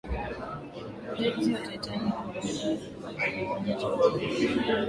ujenzi wa titanic ulianza kwenye uwanja wa meli